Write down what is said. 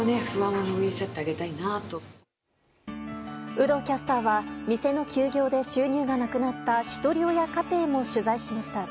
有働キャスターは店の休業で収入がなくなったひとり親家庭も取材しました。